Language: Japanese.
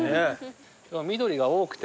緑が多くて。